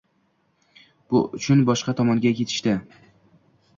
Bu uchun boshqa tomonga ketishdi.